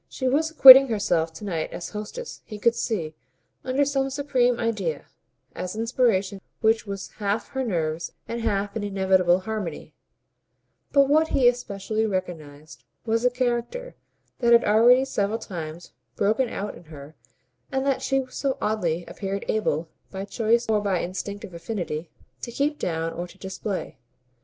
She was acquitting herself to night as hostess, he could see, under some supreme idea, an inspiration which was half her nerves and half an inevitable harmony; but what he especially recognised was the character that had already several times broken out in her and that she so oddly appeared able, by choice or by instinctive affinity, to keep down or to display.